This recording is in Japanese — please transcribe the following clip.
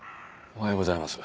おはようございます。